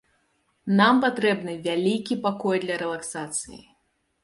Нам патрэбны вялікі пакой для рэлаксацыі!